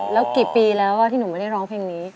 แล้วกี่ปีแล้วที่หนูไม่ได้ร้องเพลงนี้